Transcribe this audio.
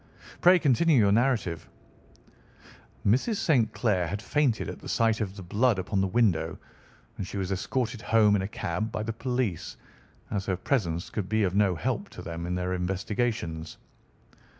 "Pray continue your narrative." "Mrs. St. Clair had fainted at the sight of the blood upon the window, and she was escorted home in a cab by the police, as her presence could be of no help to them in their investigations.